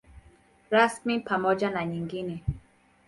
Rasmi pamoja na nyingine.